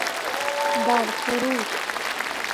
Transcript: برفرود